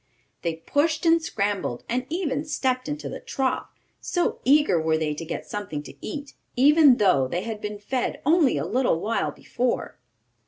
They pushed and scrambled, and even stepped into the trough, so eager were they to get something to eat; even though they had been fed only a little while before.